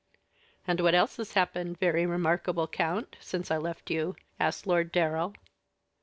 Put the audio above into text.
"And what else has happened very remarkable, count, since I left you?" asked Lord Darrell.